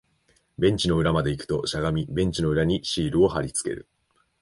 ベンチの裏まで行くと、しゃがみ、ベンチの裏にシールを貼り付ける